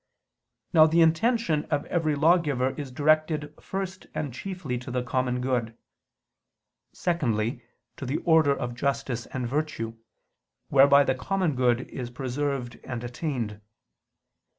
Now the intention of every lawgiver is directed first and chiefly to the common good; secondly, to the order of justice and virtue, whereby the common good is preserved and attained.